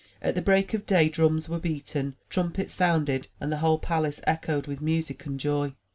At the break of day, drums were beaten, trumpets sounded and the whole palace echoed with music and joy.